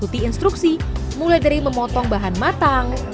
dan mengikuti instruksi mulai dari memotong bahan matang